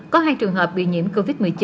có hai trường hợp bị nhiễm covid một mươi chín